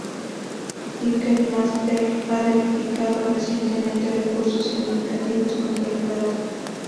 Ticketmaster ha dedicado recientemente recursos significativos contra el fraude.